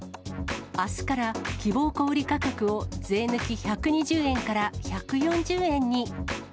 あすから希望小売り価格を税抜き１２０円から１４０円に。